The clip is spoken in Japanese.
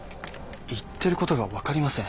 言ってることが分かりません。